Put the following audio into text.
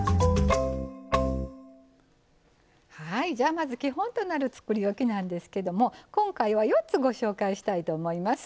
まず、基本となるつくりおきなんですけれども今回は４つご紹介したいと思います。